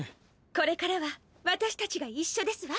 これからは私達が一緒ですわ。